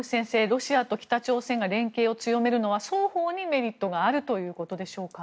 ロシアと北朝鮮が連携を強めるのは双方にメリットがあるということでしょうか。